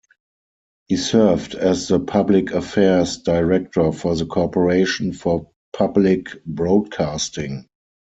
He served as the public affairs director for the Corporation for Public Broadcasting.